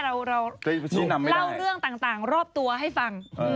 เราเล่าเรื่องต่างรอบตัวให้ฟัง